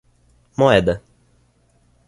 Moeda